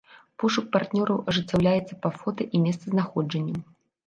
Пошук партнёраў ажыццяўляецца па фота і месцазнаходжанню.